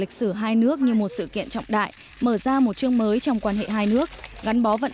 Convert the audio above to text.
lịch sử hai nước như một sự kiện trọng đại mở ra một chương mới trong quan hệ hai nước gắn bó vận